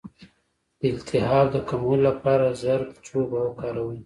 د التهاب د کمولو لپاره زردچوبه وکاروئ